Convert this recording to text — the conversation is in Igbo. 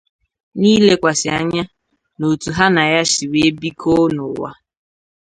n'ilekwasị anya n'otu ha na ya siri wee bikọọ n'ụwa.